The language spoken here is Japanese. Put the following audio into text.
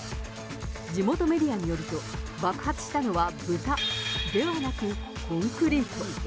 地元メディアによると、爆発したのは豚ではなく、コンクリート。